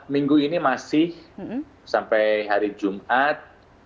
minggu ini masih sampai hari jumat